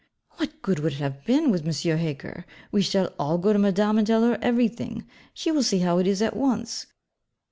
'What good would it have been, with M. Heger? We shall all go to Madame and tell her everything. She will see how it is at once.